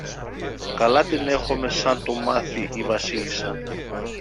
Καλά την έχομε σαν το μάθει η Βασίλισσα.